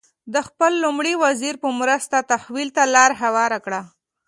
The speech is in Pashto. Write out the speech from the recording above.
د خپل لومړي وزیر په مرسته تحول ته لار هواره کړه.